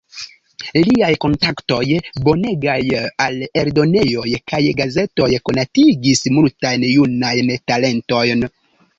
Liaj kontaktoj bonegaj al eldonejoj kaj gazetoj konatigis multajn junajn talentojn.